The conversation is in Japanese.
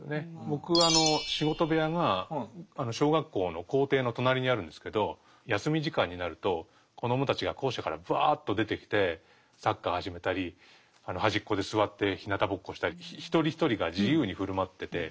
僕仕事部屋が小学校の校庭の隣にあるんですけど休み時間になると子どもたちが校舎からプワーッと出てきてサッカー始めたり端っこで座ってひなたぼっこしたり一人一人が自由に振る舞ってて。